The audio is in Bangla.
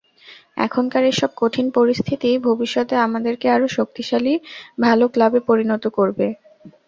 এখনকার এসব কঠিন পরিস্থিতিই ভবিষ্যতে আমাদেরকে আরও শক্তিশালী, ভালো ক্লাবে পরিণত করবে।